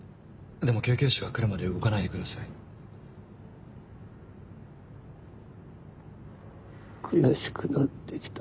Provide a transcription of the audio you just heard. でも救急車が来るまで動かないでください。